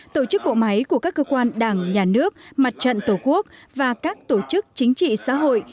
tổ chức bộ máy của các cơ quan đảng nhà nước mặt trận tổ quốc và các tổ chức chính trị xã hội